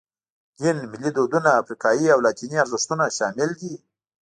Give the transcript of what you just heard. دین، ملي دودونه، افریقایي او لاتیني ارزښتونه شامل دي.